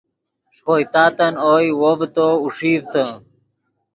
ݰے خوئے تاتن اوئے ڤے تو اوݰیڤتے